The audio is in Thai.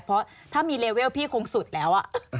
เพราะถ้ามีเลเวลพี่คงสุดแล้ว